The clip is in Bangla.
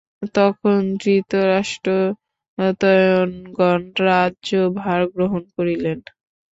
তখন ধৃতরাষ্ট্রতনয়গণ রাজ্যভার গ্রহণ করিলেন।